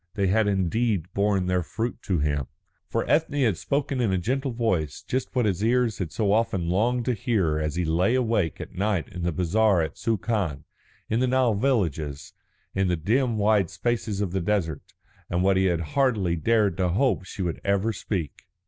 They had indeed borne their fruit to him. For Ethne had spoken in a gentle voice just what his ears had so often longed to hear as he lay awake at night in the bazaar at Suakin, in the Nile villages, in the dim wide spaces of the desert, and what he had hardly dared to hope she ever would speak.